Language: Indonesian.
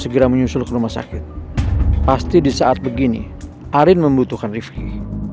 segera menyusul ke rumah sakit pasti di saat begini arin membutuhkan rifki